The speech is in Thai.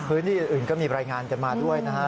พื้นที่อื่นก็มีรายงานกันมาด้วยนะฮะ